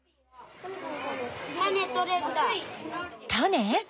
タネ？